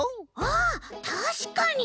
あたしかに！